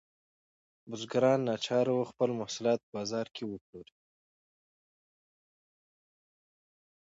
بزګران ناچاره وو خپل محصولات په بازار کې وپلوري.